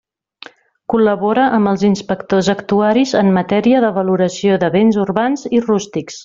Col·labora amb els inspectors actuaris en matèria de valoració de béns urbans i rústics.